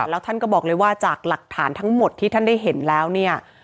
แล้วท่านก็บอกเลยว่าจากหลักฐานทั้งหมดที่ท่านได้เห็นแล้วเนี่ย